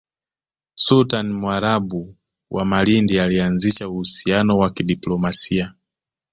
Sultani Mwarabu wa Malindi alianzisha uhusiano wa kidiplomasia